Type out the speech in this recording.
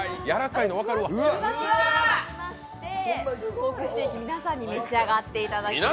ポークステーキ、皆さんに召し上がっていただきます。